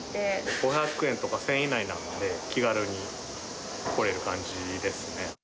５００円とか１０００円以内なので、気軽に来れる感じですね。